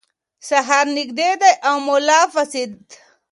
سهار نږدې دی او ملا پاڅېد.